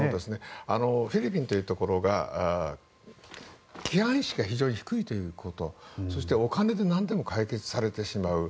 フィリピンというところが規範意識が非常に低いということそしてお金で何でも解決されてしまう。